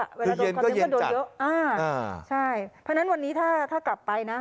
คือเย็นก็เย็นจักรอ่าใช่พอฉะนั้นวันนี้ถ้ากลับไปนะ